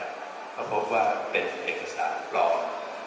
ก็พบว่าเป็นเอกสารปลอม